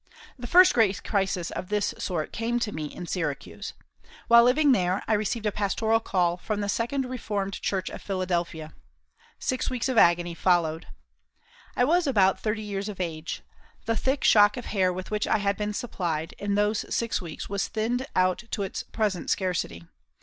The first great crisis of this sort came to me in Syracuse. While living there I received a pastoral call from the Second Reformed Church of Philadelphia. Six weeks of agony followed. I was about 30 years of age. The thick shock of hair with which I had been supplied, in those six weeks was thinned out to its present scarcity.